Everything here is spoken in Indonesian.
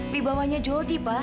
di bawahnya jody pa